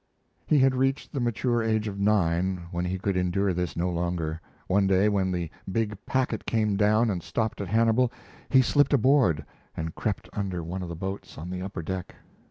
He had reached the mature age of nine when he could endure this no longer. One day, when the big packet came down and stopped at Hannibal, he slipped aboard and crept under one of the boats on the upper deck.